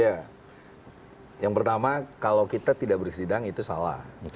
ya yang pertama kalau kita tidak bersidang itu salah